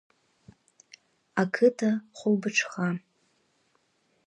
Ақыҭа хәылбыҽха!